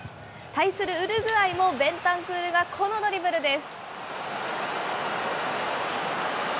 対するウルグアイもベンタンクールがこのドリブルです。